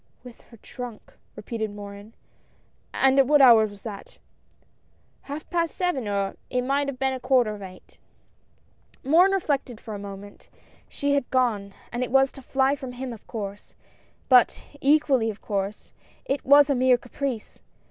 " With her trunk I " repeated Morin, —" and at what hour was that ?"" Half past seven, or it might have been a quarter of eight." Morin reflected for a moment. She had gone, and it was to fly from him of course, but, equally of course, it was a mere caprice.